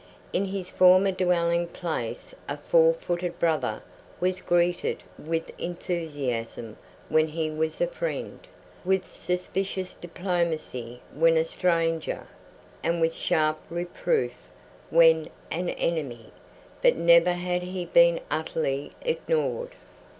In his former dwelling place a four footed brother was greeted with enthusiasm when he was a friend, with suspicious diplomacy when a stranger, and with sharp reproof when an enemy; but never had he been utterly ignored.